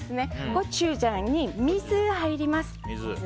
コチュジャンに水が入ります。